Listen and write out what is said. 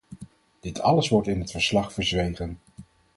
Dit alles wordt in het verslag verzwegen.